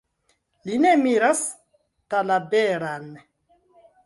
Li ne miras Talaberan.